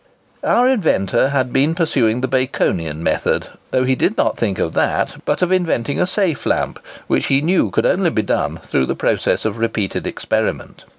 Our inventor had been pursuing the Baconian method, though he did not think of that, but of inventing a safe lamp, which he knew could only be done through the process of repeated experiment.